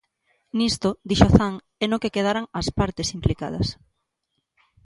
Nisto, dixo Zan, é no que quedaran "as partes" implicadas.